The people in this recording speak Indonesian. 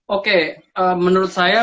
oke menurut saya